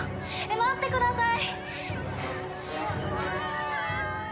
待ってください！